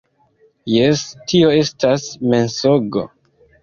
Jes, - Tio estas mensogo.